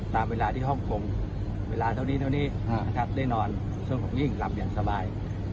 ตามเวลาที่ห้องกงเวลาเท่านี้เท่านี้ได้นอนสมมุตินิ่งกลับอย่างสบาย